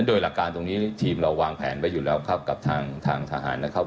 โดยหลักการตรงนี้ทีมเราวางแผนไว้อยู่แล้วครับกับทางทหารนะครับ